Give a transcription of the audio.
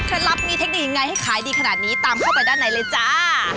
ฉันรับมีเทคนิคใหม่ให้ขายดีขนาดนี้ตามเข้าไปได้ไหนเลยจ้า